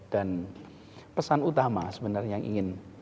dan pesan utama sebenarnya yang ingin